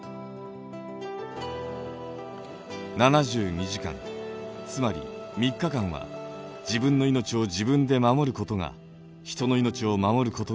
７２時間つまり３日間は自分の命を自分で守ることが人の命を守ることにもなるのです。